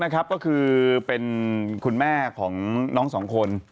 มึงจากชิมก็คือคุณแม่ของน้องสองคน